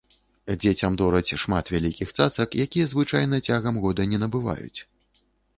Дзецям дораць шмат вялікіх цацак, якія звычайна цягам года не набываюць.